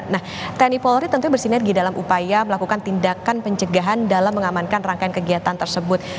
nah tni polri tentunya bersinergi dalam upaya melakukan tindakan pencegahan dalam mengamankan rangkaian kegiatan tersebut